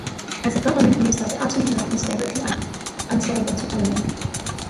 As a government minister, the Attorney General is directly answerable to Parliament.